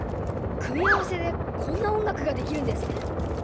組み合わせでこんな音楽ができるんですね。